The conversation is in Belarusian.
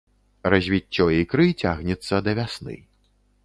Развіццё ікры цягнецца да вясны.